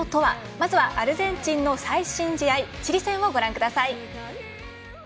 まずはアルゼンチンの最新試合チリ戦をご覧ください。